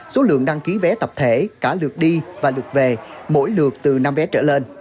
số lượng đăng ký vé tập thể cả lượt đi và lượt về mỗi lượt từ năm vé trở lên